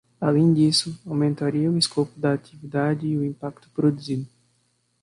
Além disso, aumentaria o escopo da atividade e o impacto produzido.